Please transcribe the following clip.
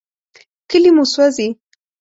کلي مو سوځي.